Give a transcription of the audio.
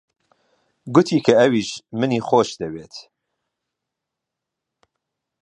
گوتی کە ئەویش منی خۆش دەوێت.